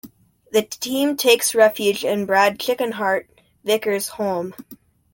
The team takes refuge in Brad "Chickenheart" Vicker's home.